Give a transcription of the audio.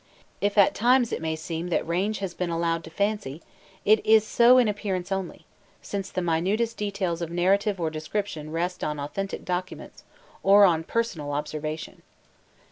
If, at times, it may seem that range has been allowed to fancy, it is so in appearance only; since the minutest details of narrative or description rest on authentic documents or on personal observation.